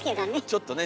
ちょっとね